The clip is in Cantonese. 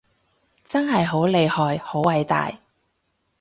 真係好厲害好偉大